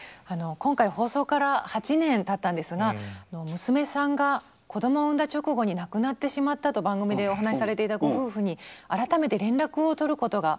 今回放送から８年たったんですが娘さんが子どもを産んだ直後に亡くなってしまったと番組でお話しされていたご夫婦に改めて連絡を取ることができました。